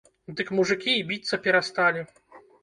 Дык мужыкі і біцца перасталі!